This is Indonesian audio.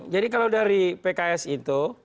jadi kalau dari pks itu